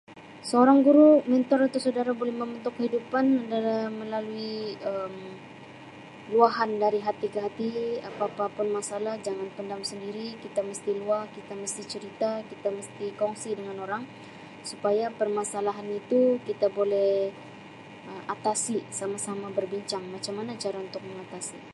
Seorang guru [unintelligible] membentuk kehidupan adalah melalui Um luahan dari hati ke hati, apa-apapun masalah jangan pendam sendiri, kita mesti luah, kita mesti cerita, kita mesti kongsi dengan orang supaya permasalahan itu kita boleh Um atasi sama-sama berbincang macam mana cara untuk mengatasi.